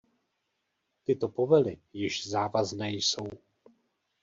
Tyto povely již závazné jsou.